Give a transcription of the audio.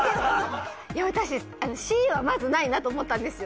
いや私Ｃはまずないなと思ったんですよ